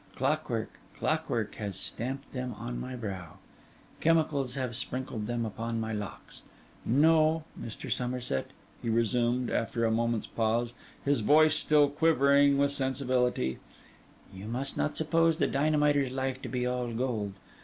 Clockwork, clockwork has stamped them on my brow—chemicals have sprinkled them upon my locks! No, Mr. Somerset,' he resumed, after a moment's pause, his voice still quivering with sensibility, 'you must not suppose the dynamiter's life to be all gold.